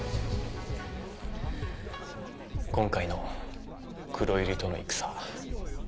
今回の黒百合との戦。